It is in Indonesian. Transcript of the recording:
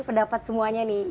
pendapat semuanya nih